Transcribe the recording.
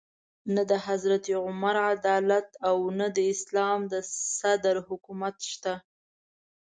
نه د حضرت عمر عدالت او نه د اسلام د صدر حکومت شته.